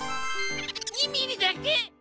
２ミリだけ。